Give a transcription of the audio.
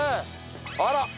あら！